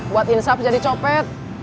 buat insap jadi copet